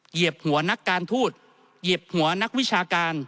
เหยียบหัวนักการทูตเหยียบหัวนักวิชาการ